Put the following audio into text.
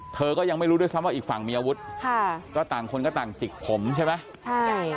เธอก็ยังไม่รู้ด้วยซ้ำว่าอีกฝั่งมีอาวุธค่ะก็ต่างคนก็ต่างจิกผมใช่ไหมใช่ค่ะ